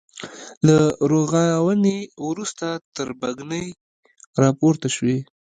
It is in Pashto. له رغاونې وروسته تربګنۍ راپورته شوې.